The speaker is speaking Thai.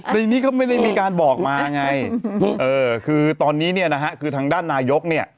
ในนี้ก็ไม่ได้มีการบอกมาไงเออคือตอนนี้เนี่ยนะฮะคือทางด้านนายกเนี่ย